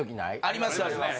ありますあります